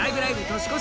年越し